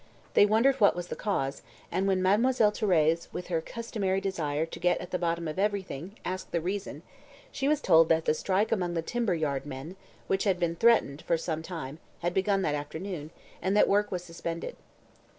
They wondered what was the cause, and when Mademoiselle Thérèse, with her customary desire to get at the bottom of everything, asked the reason, she was told that the strike among the timber yard men, which had been threatened for some time, had begun that afternoon, and that work was suspended.